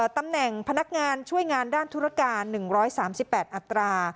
ตำแหน่งพนักงานช่วยงานด้านธุรการ๑๓๘อัตรา